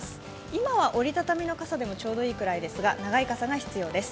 今は折り畳みの傘でもちょうどいいくらいですが、長い傘が必要です。